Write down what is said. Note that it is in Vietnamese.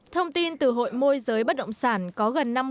thông tin từ hội môi giới bất động sản có gần năm mươi